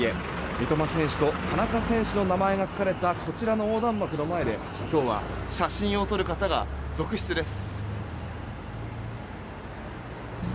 三笘選手と田中選手の名前が書かれたこちらの横断幕の前で今日は写真を撮る方が続出です。